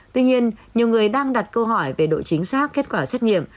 tuy nhiên nhiều người đang đặt câu hỏi về độ chính xác kết quả xét nghiệm